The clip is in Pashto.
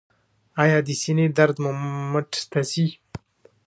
ایا د سینې درد مو مټ ته ځي؟